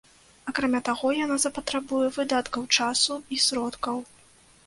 Акрамя таго, яна запатрабуе выдаткаў часу і сродкаў.